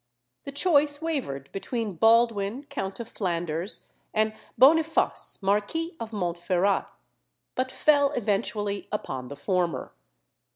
The choice wavered between Baldwin count of Flanders and Boniface marquis of Montferrat, but fell eventually upon the former.